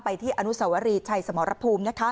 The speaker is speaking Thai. ที่อนุสวรีชัยสมรภูมิ